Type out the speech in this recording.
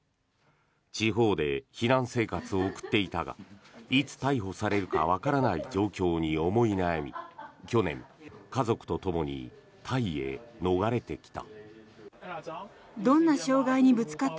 地方で避難生活を送っていたがいつ逮捕されるかわからない状況に思い悩み去年、家族とともにタイへ逃れてきた。